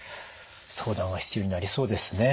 相談は必要になりそうですね。